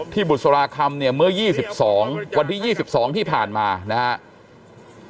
ที่บุษราคัมเมื่อ๒๒วันที่๒๒ที่ผ่านมานะครับ